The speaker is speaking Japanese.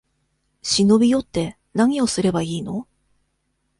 忍び寄って、なにをすればいいの？